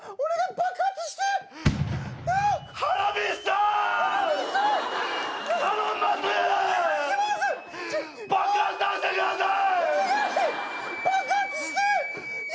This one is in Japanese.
爆発させてください！